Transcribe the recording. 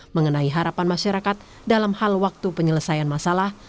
mengenai harapan masyarakat dalam hal waktu penyelesaian masalah